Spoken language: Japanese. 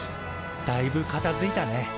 だいぶかたづいたね。